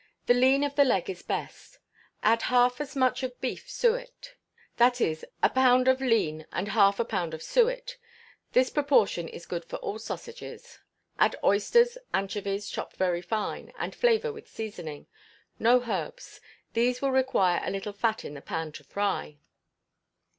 The lean of the leg is the best. Add half as much of beef suet; that is, a pound of lean and half a pound of suet (this proportion is good for all sausages). Add oysters, anchovies chopped very fine, and flavour with seasoning. No herbs. These will require a little fat in the pan to fry.